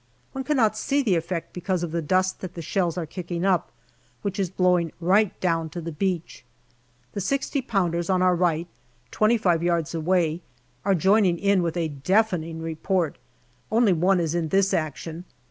One cannot see the effect, because of the dust that the shells are kicking up, which is blowing right down to the beach. The 6o pounders on our right, twenty five yards away, are joining in with a deafening report ; only one is in this action.